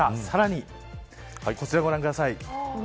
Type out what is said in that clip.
さらに、こちらご覧ください。